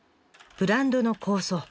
ブランドの構想。